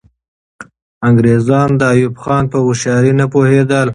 انګریزان د ایوب خان په هوښیاري نه پوهېدل.